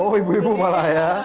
oh ibu ibu malah ya